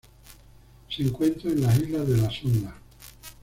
Se encuentran en las Islas de la Sonda.